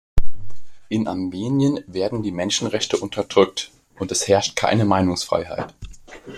In Armenien werden die Menschenrechte unterdrückt, und es herrscht keine Meinungsfreiheit.